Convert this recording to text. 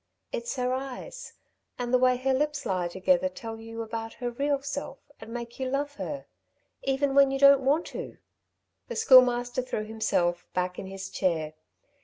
It's her eyes ... and the way her lips lie together tell you about her real self and make you love her even when you don't want to!" The Schoolmaster threw himself back in his chair.